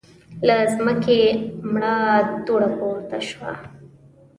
له ځمکې مړه دوړه پورته شوه.